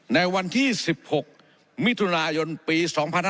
ในวันที่๑๖มิถุนายนปี๒๕๕๙